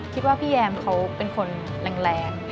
คิดว่าพี่แยมเขาเป็นคนแรง